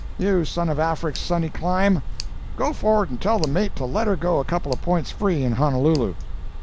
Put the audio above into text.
you son of Afric's sunny clime! go forrard and tell the mate to let her go a couple of points free in Honolulu.